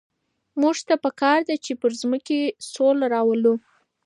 موږ ته په کار ده چي پر مځکي سوله راولو.